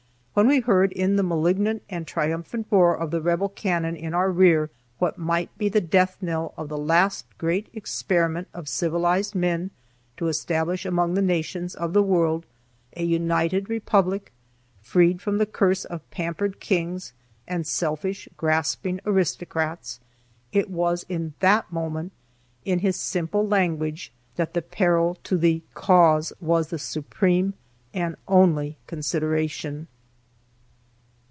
When we heard in the malignant and triumphant roar of the Rebel cannon in our rear what might be the death knell of the last great experiment of civilized men to establish among the nations of the world a united republic, freed from the curse of pampered kings and selfish, grasping aristocrats it was in that moment, in his simple language, that the peril to the Cause was the supreme and only consideration.